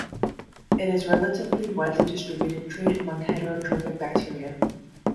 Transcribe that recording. It is relatively widely distributed trait among heterotrophic bacteria.